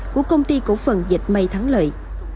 của công ty cổ phần dịch mây thắng lợi